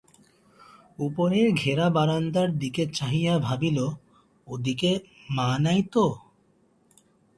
ওপরের ঘেরা বারান্দার দিকে চাহিয়া ভাবিল, ওদিকে মা নাই তো?